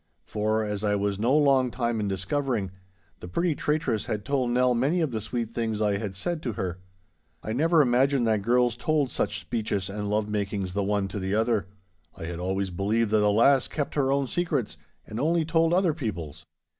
For, as I was no long time in discovering, the pretty traitress had told Nell many of those sweet things I had said to her. I never imagined that girls told such speeches and love makings the one to the other. I had aways believed that a lass kept her own secrets, and only told other people's.